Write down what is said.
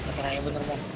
kata rayya bener mohon